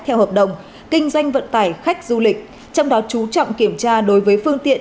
theo hợp đồng kinh doanh vận tải khách du lịch trong đó chú trọng kiểm tra đối với phương tiện